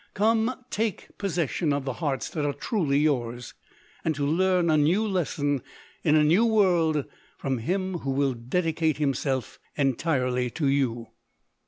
— come, to take possession of the hearts that are truly yours, and to learn a new lesson, in a new world, from him who will dedicate himself entirely to you.